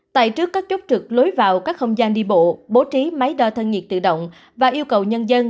tại trước các chốt trực lối vào các không gian đi bộ bố trí máy đo thân nhiệt tự động và yêu cầu nhân dân